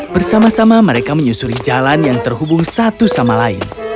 bersama sama mereka menyusuri jalan yang terhubung satu sama lain